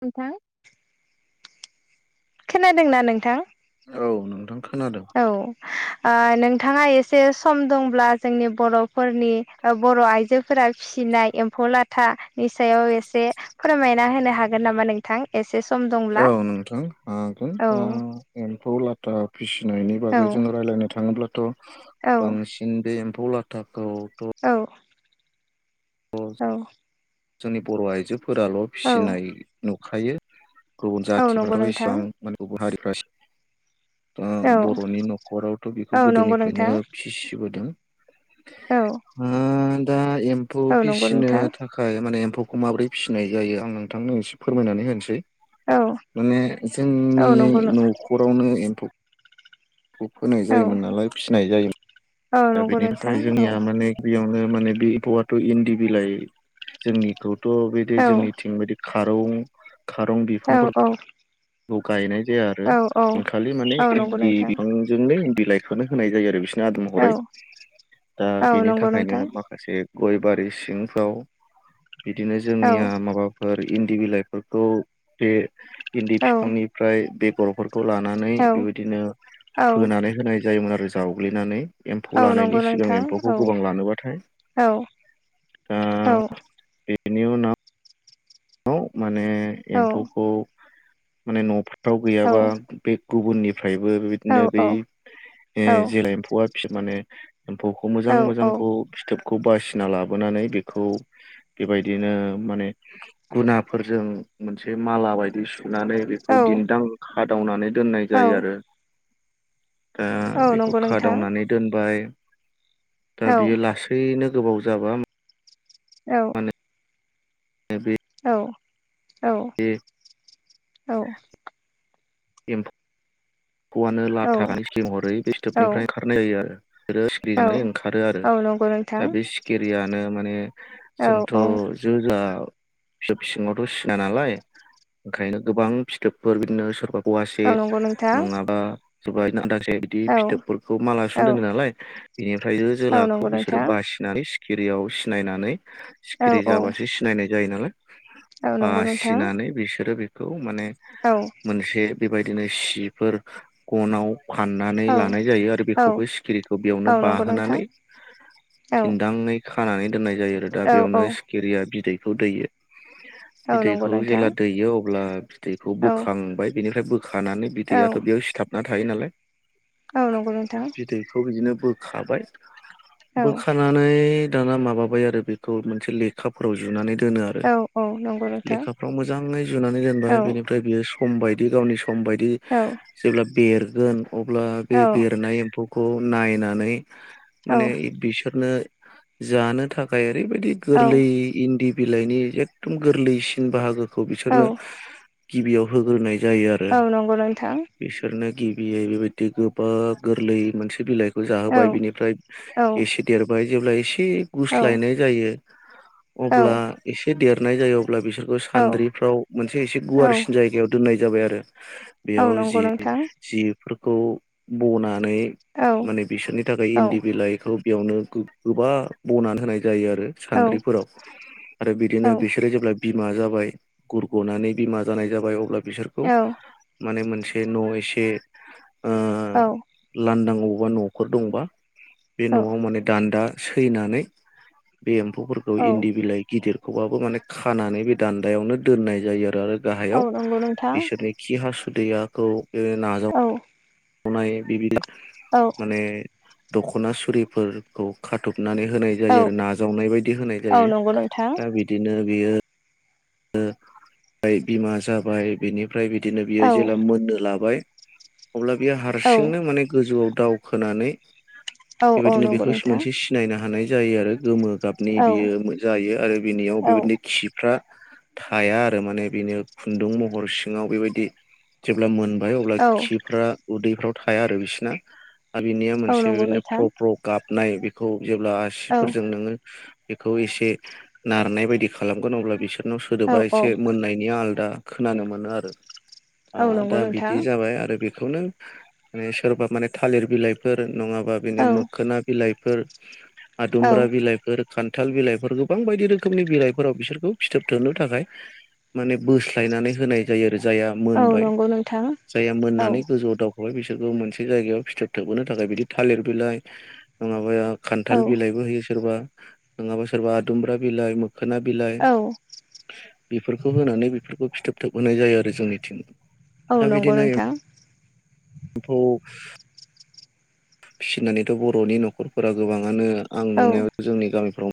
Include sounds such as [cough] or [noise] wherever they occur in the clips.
नोंथां खोनादोंना नोंथां? औ नोंथां। खोनादों औ। ओ नोंथाङा एसे सम दंब्ला जोंनि बर'फोरनि बर' आइजोफोरा फि फिसिनाय एम्फौ लाथानि सायाव एसे फोरमायना होनो हागोन नामा नोंथां एसे सम औ दंब्ला औ नोंथां एमफौ लाथा फिसिनायनि बागै जों रायज्लायनो थाङोब्लाथ' औ बांसिन बे एम्फौ लाथाब औ औ जोंनि बर' आइजोफोराल' औ फिसिनाय नुखायो गुबुन औ नंगौ जाथिफ्राथ' नोंथां इसेबां माने गुबुन हारिफ्रा दा औ बर'नि न'खरावथ' बेखौ औ नंगौ नोंथां गोदोनिफ्रायनो फिसिबोदों औ ओ दा एम्फौ औ नंगौ फिसिनो नोंथां थाखाय माने एमफौ एम्फौखौ माबोरै फिसिनाय जायो आं नोंथांनो एसे फोरमायनानै होनोसै औ माने औ जोंनि नंगौ न'खरावनो एम्फौखौ फोनाय औ जायोमोन नालाय फिसिनाय औ जायोमोन दा नंगौ बेनि नोंथां थाखाय औ जोंनिया माने गिबियावनो माने बे एम्फौआथ' इन्दि बिलाइ जोंनिखौथ' बिदि औ जोंनिथिं बायदि खारं-खारं औ औ बिफांफोरखौ गायनाय जाया आरो औ औ खालि माने औ नंगौ इन्दि नोंथां बिफांजोंनो इन्दि लाइखौनो होनाय जायो आरो बिसोरनो आदार औ महरै दा औ बेनि नंगौ थाखायनो नोंथां माखासे गय बारि सिंफ्राव बिदिनो औ जोंनिया माबाफोर इन्दि बिलाइफोरखौ बे इन्दि औ बिफांनिफ्राय बेगरफोर खौ लानानै औ बेबायदिनो औ फोनानै होनाय जायोमोन आरो जावग्लिनानै एम्फौ औ नंगौ लानायनि सिगां नोंथां औ एम्फौखौ गोबां लानोबाथाय औ औ बिनि उनाव माने औ एम्फौखौ माने न' फोराव औ गैयाबा बे गुबुननिफ्रायबो औ बिदिनो बे जे औ एम्फौआ माने एम्फौखौ मोजां मोजांखौ फिथोबखौ बासिना लाबोनानै बेखौ बेबायदिनो माने गुनाफोरजों मोनसे माला बायदि सुनानै औ बेखौ दिन्दां खादावनानै दोननाय जायो औ आरो दा औ बेखौ नंगौ नोंथां खादावनानै दोनबाय दा औ बियो लासैनो गोबाव जाबा औ [inaudible] [unintelligible] औ-औ-औ [unintelligible] एम्फौआनो लाथा फिथोब महरै औ फिथोबनिफ्राय ओंखारनाय जायो आरो। आरो सिखिरि नंगौ ओंखारो आरो नोंथां दा बे सिखिरियानो माने [unintelligible] औ फिथोब सिङावथ' सिनाया नालाय ओंखायनो गोबां फिथोबफोर बिदिनो सोरबा औ फवासे औ नंगौ नोंथां नङाबा सोरबा बिदिनो आदा बिबदि औ फिथोबफोरखौ औ मालासुना दोनो नालाय बेनिफ्राय जो औ जोलाखौ नंगौ बिसोरो नोंथां बासिनानै सिखिरियाव सिनायनानै औ सिखिरि जाबासो सिनायनाय जायो नालाय औ नंगौ नोंथां सिनानै बिसोरो बेखौ माने औ मोनसे बेबायदि बिदिनो सिफोर गनाव फाननानै लानाय औ जायो आरो औ बेखौबो सिखिरिखौ बेयावनो औ नंगौ बाहोनानै नोंथां औ दिन्दाङै खानानै दोननाय जायो आरो दा औ औ बेयावनो सिखिरिया बिदैखौ दैयो। औ नंगौ बिदैखौ नोंथां जेब्ला दैयो अब्ला बिदैखौ औ बोखांबाय बिनिफ्राय बोखानानै बिदैआथ' बेयाव सिथाबना थायो नालाय औ नंगौ नोंथां बिदैखौ बिदिनो बोखाबाय औ बोखानानै दाना माबाबाय आरो बेखौ मोनसे लेखाफोराव जुनानै दोनो आरो औ नंगौ नोंथां लेखाफ्राव मोजाङै जुनानै दोनबाय औ बेनिफ्राय बियो सम बायदि गावनि सम बायदि औ जेब्ला बेरगोन अब्ला औ बे बेरनाय एम्फौखौ नायनानै माने औ बिसोरनो जानो थाखाय ओरैबायदि औ गोरलै इन्दि बिलाइनि एखदम गोरलैसिन बाहागोखौ बिसोरनो औ गिबियाव होग्रोनाय जायो आरो अ नोंथां बिसोरनो गिबियै बेबायदि गोबा गोरलै मोनसे बिलाइ औ जाहोबाय बिनिफ्राय औ एसे देरबाय जेब्ला एसे एसे औ गुस्लायनाय जायो औ अब्ला एसे देरनाय जायो अ ब्ला बिसोरखौ औ सान्द्रिफ्राव मोनसे एसे औ गुवारसिन जायगायाव दोननाय जाबाय आरो। औ बेयाव नंगौ जि नोंथां जि फ्र खौ बनानै औ माने बिसोरनि थाखाय औ इन्दि बिलाइखौ बेयावनो गोबा बनानै होनाय जायो आरो औ सान्द्रिफोराव आरो बिदिनो बिसोरो जेब्ला बिमा जाबाय गुरग'नानै बिमा जानाय जाबाय अब्ला बिसोरखौ माने मोनसे न' एसे ओ औ लांदां अबेबा न'फोर दंबा बे औ न'आव नंगौ नोंथां माने दान्दा सैनानै बे एम्फौफोरखौ इन्दि औ बिलाइ गिदिर खौबाबो माने खानानै बे दान्दायावनो दोननाय जायो आरो आरो औ गाहायाव नंगौ नोंथां बिसोरनि खि हासुदैयाखौ बे नाजाव औ नाय बि औ माने दख'ना सुरिफोरखौ खाथब हुरनानै होनाय औ जायो आरो नाजावनाय बायदि होनाय औ जायो नंगौ नोंथां दा बिदिनो बेयो ओ बिमा जाबाय बिनिफ्राय बिदिनो बियो जेला औ मोननो लाबाय। अब्ला बियो औ हारसिंनो माने गोजौआव दावखोनानै औ औ बेबायदिनो नंगौ बेखौ नोंथां मोनसे सिनायनो हानाय जायो आरो गोमो गाबनि औ बियो जायो आरो बिनियाव बेबायदिनो औ खिफ्रा थाया आरो माने बिनो खुन्दुं महर सिङाव बेबायदि जेब्ला मोन बाय अब्ला औ खिफ्रा उदैफ्राव थाया आरो बिसिना आरो बिनिया औ मोनसे नंगौ बेबायदिनो नोंथां फ्र फ्र गाबनाय बेखौ जेब्ला औ आसिफोरजों नोङो बेखौ एसे नारनाय बायदि खालामगोन अब्ला बिसोरनाव औ सोदोबा एसे मोननायनि आलदा खोनानो मोनो आरो ओ दा बिदि जाबाय आरो बे खौनो माने सोरबा माने थालिर बिलाइफोर नङाबा बिनि मोखोना बिलाइ‌ फोर आदुमब्रा बिलाइफोर खान्थाल बिलाइफोर गोबां बायदि रोखोमनि बिलाइफोराव बिसोरखौ फिथोब थोबनो थाखाय माने बोस्लायनानै होनाय जायो आरो जाया औ मोनबाय, नंगौ नोंथां जाया औ मोननानै गोजौआव दाव बेहाय बिसोरखौ मोनसे जायगायाव फिथोब थोबहोनो थाखाय बिदि थालिर बिलाइ नङाबा औ खान्थाल बिलाइबो होयो सोरबा, नङाबा सोरबा आदुमब्रा बिलाइ, मोखोना बिलाइ औ बेफोरखौ होनानै बेफोरखौ फिथोब थाब होनाय जायो आरो जोंनिथिं। औ दा नंगौ बिदिनो नोंथां। [unintelligible] फिसिनानैथ' बर'नि न'खरफोरा गोबाङानो आं औ नुनायाव जोंनि गामिफ्राव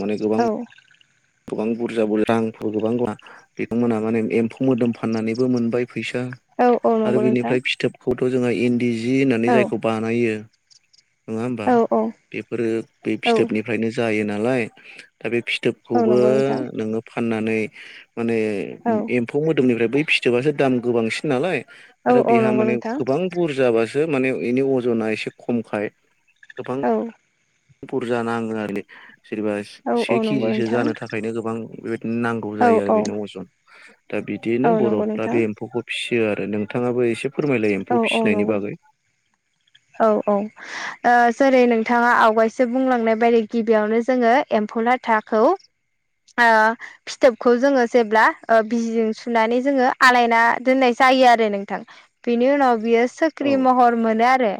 माने गोबां औ गोबां बुरजा-बुरजा रांफोर गोबां बिथांमोनहा माने एम्फौ मोदोम फाननानैबो मोनबाय फैसा औ औ नंगौ आरो नोंथां बिनिफ्राय फिथोबखौथ' जोंहा इन्दि जि होननानै औ जायखौ बानायो नङा होमबा? औ औ बेफोरो बे औ फिथोबनिफ्रायनो जायो नालाय दा बे फिथो औ बखौबो नंगौ नोंथां नोङो फाननानै माने औ एम्फौ मोदोमनिफ्राय बै फिथोबासो दाम गोबांसिन नालाय औ आरो औ बेहा नंगौ माने नोंथां गोबां बुरजाबासो माने इनि अजना एसे खमखाय गोबां औ बुरजा नाङो आरो जेनबा औ से औ नंगौ केजिसो नोंथां जानो थाखायनो गोबां बेबायदिनो नांगौ जायो औ आरो औ बेनो अजन। दा औ बिदिनो नंगौ बर'फ्रा नोंथां बे एम्फौखौ फिसि यो आरो। नोंथाङाबो एसे फोरमायलायो औ एम्फौ औ फिसिनायनि नंगौ बागै औ औ ओ जेरै- नोंथाङा आवगायसो बुंलांनाय बायदि गिबियावनो जोङो एम फौ लाथाखौ ओ फिथोबखौ जोङो जेब्ला ओ बिजिजों सुनानै जोङो आलायना दोननाय जा जायो आरो नोंथां बिनि उनाव बियो औ सख्रि महर मोनो आरो।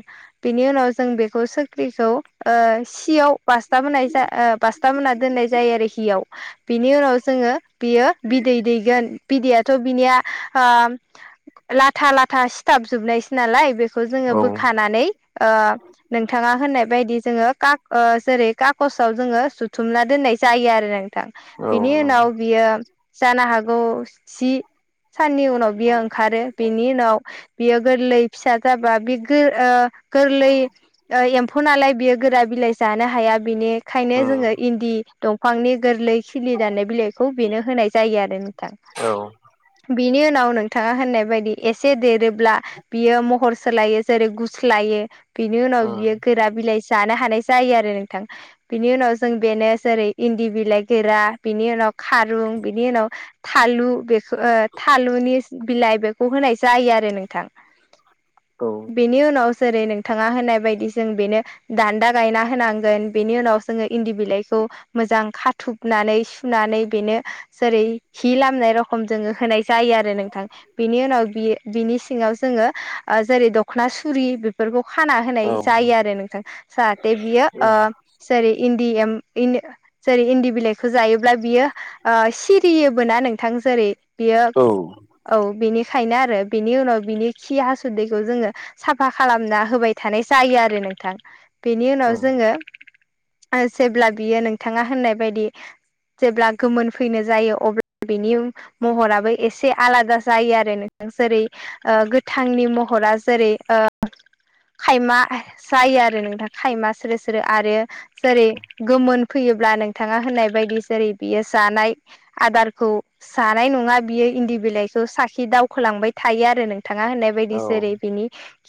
बेनि उनाव जों बेखौ सोख्रिखौ ओ सियाव बासथाब होनाय जा ओ बा बासथाब होना दोननाय जायो आरो हियाव बिनि उनाव जोङो बियो बिदै दैगोन बिदैया थ' बिनिया ओ लाथा-लाथा सिथाब जोबनायसै नालाय बे खौ जोङो औ बोखाना नै ओ नोंथाङा होननाय बायदि जोङो काक ओ जेरै- काकसआव जोङो जुथुम ना दोननाय जायो आरो नोंथां औ बिनि नंगौ उनाव बियो जानो हागौ जि साननि उनाव बियो ओंखारो बेनि उनाव बियो गोरलै फिसा गाबा बे गो ओ गोरलै ओ एम्फौ नालाय बियो गोरा बिलाइ जानो हाया बिनिखायनो उम जोङो इन्दि दंफांनि गोरलै खिलि दाननाय बिलाइखौ बेनो होनाय जायो आरो नोंथां। औ बिनि उनाव नोंथाङा होननाय बायदि एसे देरोब्ला बियो महर सोलायो जेरै-गु स्लायो बिनि उनाव बियो गोरा बिलाइ जानो हानाय जायो आरो नोंथां बिनि उनाव जों बेनो जेरै- इन्दि बिलाइ गोरा बिनि उनाव खारुं बिनि उनाव थालु बेखौ ओ थालुनि बिलाइ बेखौ होनाय जायो आरो नोंथां। उम बेनि उ- नाव जेरै नोंथाङा होनाय बायदि जों बेनो दान्दा गायना होनांगोन बेनि उनाव जोङो इन्दि बिलाइ खौ मोजां खाथोबनानै सुनानै बेनो जेरै- हि लामनाय रखम जोङो होनाय जायो आरो नोंथां। बिनि उनाव बियो बिनि सिङाव जोङो ओ जेरै दखना सु रि बेफोरखौ खाना होनाय औ जायो आरो नोंथां जाहाथे बियो उम ओ जेरै- इन्दि एम इन्द जेरै-इन्दि बिलाइखौ जायोब्ला बियो ओ सिरियोबो ना नोंथां जेरै- बियो औ बेनिखायनो आरो बेनि उनाव बिनि खि हासुदैखौ जोङो साफा खालामना होबाय थानाय जायो आरो नोंथां। बेनि उनाव उम जोङो ओ जेब्ला बियो नोंथाङा होननाय बायदि जेब्ला गोमोन फैनो जायो अब्ला बिनि महराबो एसे आलादा जायो आरो नो जेरै- ओ गोथांनि महरा जेरै- ओ खायमा जायो आरो नोंथां खायमा स्रो स्रो आरो जेरै गोमोन फैयोब्ला नोंथाङा होननाय बायदि जेरै बियो जानाय आदारखौ जानाय नङा बियो इन्दि बिलाइखौ साखि दावखोलांबाय थायो आरो नोंथाङा होननाय बायदि जेरै बिनि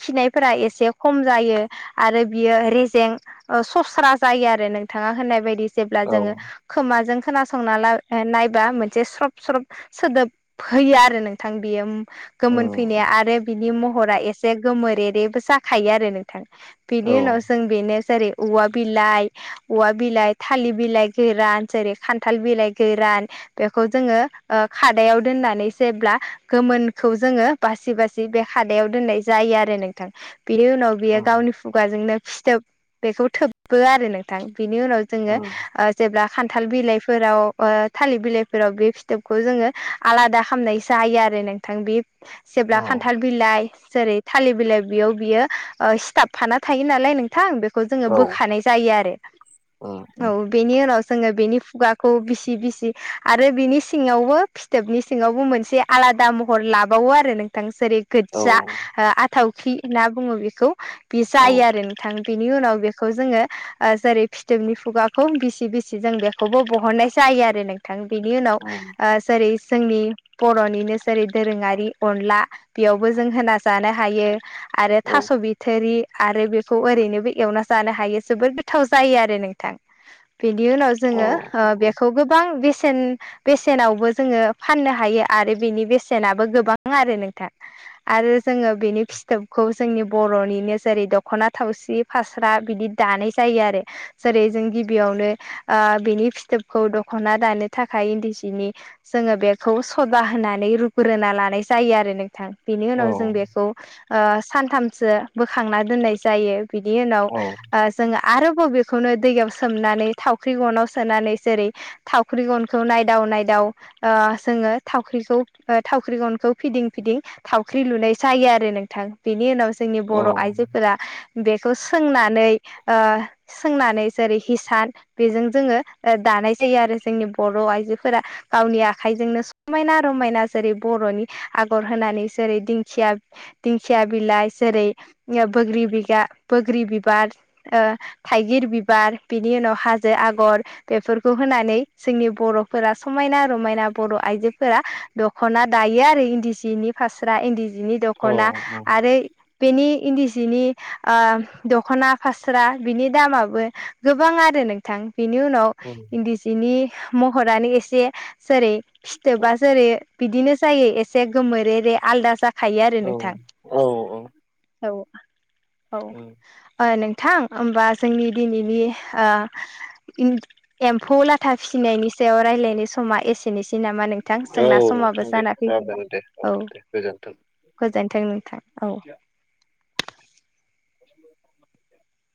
खिनायफोरा एसे खम जायो आरो बियो रेजें ओ सस्रा जायो आरो नों थाङा होननाय बायदि जेब्ला औ जोङो खोमाजों खोनासंना ला नायबा मोनसे स्रब स्रब सोदोब होयो आरो नोंथां बियो औ गोमोन फैनाया आरो बिनि महरा एसे गोमोरेरेबो जाखायो आरो नोंथां औ बिनि उनाव जों बेनो जेरै औवा बिलाइ औवा बिलाइ थालिर बिलाइ गोरान जेरै खान्थाल बिलाइ गोरा रान बेखौ जोङो अ खादायाव दोननानै जेब्ला गोमोनखौ जोङो बासि बा सि बे खादायाव दोननाय जायो आरो नोंथां बिनि उनाव औ बियो गावनि खुगाजोंनो फिथोब बेखौ थोबबो आरो नोंथां बिनि उनाव औ जोङो अ जेब्ला खान थाल बिलाइफोराव अ थालिर बिलाइफोराव बे फिथोबखौ जोङो आलादा खालामनाय जायो आरो नों नोंथां बिब जेब्ला खान्थाल बिलाइ जेरै थालिर बिलाइ बेयाव बियो ओ सिथाबफाना थायो नालाय नोंथां बे खौ औ जोङो बोखानाय जायो आरो औ बेनि उनाव जोङो बेनि खुगाखौ बिसि-बिसि आरो बिनि सिङावबो फिथोबनि सिङावबो मोनसे आला दा महर लाबावो आरो नोंथां जेरै गोजा आथावखि होनना बुङो बेखौ बे जायो आरो नोंथां बिनि उनाव बेखौ जोङो जेरै फिथोबनि खुगाखौ बिसि बिसि जों बेखौबो बहननाय जाय जायो आरो नोंथां बिनि उनाव नंगौ जै जोंनि बर'निनो जेरै दोरोङारि अनला बेयावबो जों होना जानो हायो आरो औ थास' बिथोरि आरो बेखौ ओरैनोबो एवना जानो हायो जोबोद गोथाव जायो आरो नोंथां बेनि उनाव औ जोङो ओ बेखौ गोबां बेस सेन बेसेनावबो जोङो फाननो हायो आरो बेनि बेसेनाबो गोबां आरो नोंथां आरो जोङो बेनि फिथोबखौ जोंनि बर'निनो जेरै दख'ना थावसि फास्रा बिदि दानाय जाय जायो आरो जेरै जों गिबियावनो ओ बिनि फिथोबखौ दखना दानो थाखाय इन्दी बिनि जोङो बेखौ सदा होनानै रुग्रोना लानाय जायो आरो नोंथां बेनि औ उनाव जों बेखौ ओ सानथामसो बोखांना दोननाय जायो बिनि उनाव औ जों आरो बेेखौनो दैयाव सोमनानै थावख्रि गनाव सोनानै जेरै थावख्रि गनखौ नायदाव नायदाव ओ जोङो थावख्रिखौ थावख्रि गनखौ फिदिं फिदिं थावख्रि लुनाय जायो आरो नोंथां बेनि उनाव जोंनि बर' आइजोफोरा बेखौ सोंनानै ओ सोंनानै जेरै हिसान बेजों जोङो दा दानाय जायो आरो जोंनि बर' आइजोफोरा गावनि आखाइजोंनो समायना रमायना जेरै बर'नि आगर होनानै जेरै दि खिया दिंखिया बिलाइ जेरै बोग्रि बिगा बोग्रि बिबार ओ थाइगिर बिबार बिनि उनाव हाजो आगर बेफोरखौ होनानै जोंनि बर'फोरा समायना रमायना बर' आइजोफोरा दख'ना दायो आरो इन्दि सिनि फास्रा इन्दि बिनि दखना आरोय बेनि इन्दि सिनि ओ दख'ना फास्रा बिनि दामाबो गोबां आरो नोंथां बेनि उनाव इन्दि जिनि महरानो एसे जेरै फिथोबा जेरै बिदिनो जायो एसे गोमोरे रे [unintelligible] आलदा जा खायो आरो नोंथां औ औ ओ नों थां होमबा जोंनि दिनैनि ओ एम्फौ लाथा फिसिनायनि सायाव रायज्लायनाय समा एसेनोसै दि नामा नोंथां औ जोंना नोंथां समाबो दे जाना जागोन फैबायना दे औ दे गोजोनथों गोजोनथों नोंथां औ। [inaudible]